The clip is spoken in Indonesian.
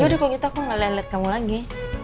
ya udah kalo gitu aku ngelelet kamu lagi